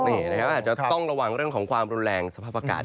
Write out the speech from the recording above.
อาจจะต้องระวังเรื่องของความแรงสภาพอากาศ